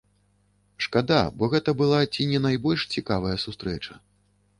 Шкада, бо гэта была ці не найбольш цікавая сустрэча.